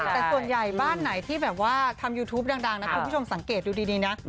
แต่ส่วนใหญ่บ้านไหนที่แบบว่าทำยูทูปดังนะคุณผู้ชมสังเกตดูดีนะ